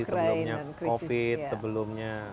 sebelumnya covid sebelumnya